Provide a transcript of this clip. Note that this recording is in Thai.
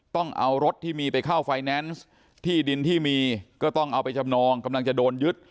ต้องเอารถที่มีไปเข้าไฟแนนซ์ที่ดินที่มีก็ต้องเอาไปจำนองกำลังจะโดนยึด